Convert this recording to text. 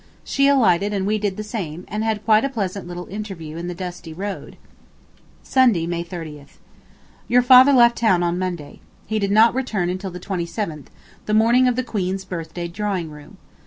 She alighted and we did the same, and had quite a pleasant little interview in the dusty road. Sunday, May 30th. Your father left town on Monday. ... He did not return until the 27th, the morning of the Queen's Birthday Drawing Room.